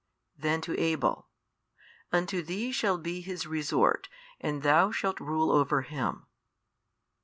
Then to Abel, Unto thee shall be his resort and thou shalt rule over him.